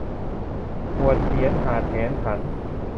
หวดเหียนหาดแหนหัน